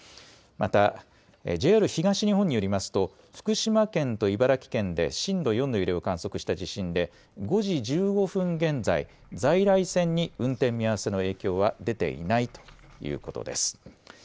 またＪＲ東日本によりますと、福島県と茨城県で震度４の揺れを観測した地震で、５時１５分現在、在来線に運転見合わせの影響は出ていないということです。